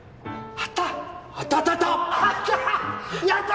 あった！